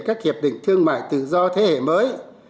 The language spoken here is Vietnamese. các hiệp định thương mại tự do thế hệ mới